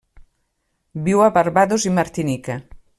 Viu a Barbados i Martinica.